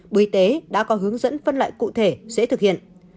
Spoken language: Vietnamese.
bộ y tế đã có hướng dẫn phân loại cụ thể dễ thực hiện